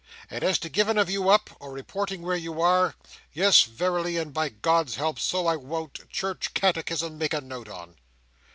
And as to giving of you up, or reporting where you are, yes verily, and by God's help, so I won't, Church catechism, make a note on!"